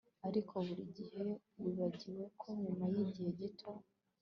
ariko burigihe wibagiwe ko nyuma yigihe gito